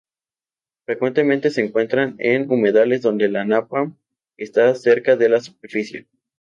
Frecuentemente se encuentran en humedales donde la napa está cerca de la superficie.